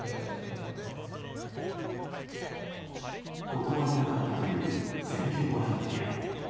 断れなかったという選挙ボランティア。